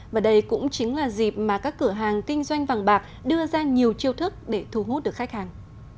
và đây cũng chính là dịp mà các cửa hàng kinh doanh vàng bạc đưa ra nhiều chiêu thức để thu hút được khách hàng